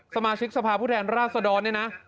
สมาชิกสภาพุทธแห่งราชดอลนี่นะ